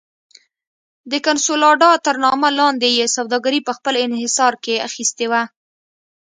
د کنسولاډا تر نامه لاندې یې سوداګري په خپل انحصار کې اخیستې وه.